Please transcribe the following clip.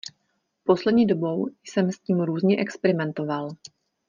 Poslední dobou jsem s tím různě experimentoval.